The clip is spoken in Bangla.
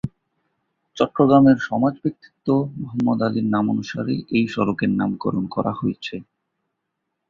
চট্টগ্রামের সমাজ ব্যক্তিত্ব মোহাম্মদ আলীর নামানুসারে এই সড়কের নামকরণ করা হয়েছে।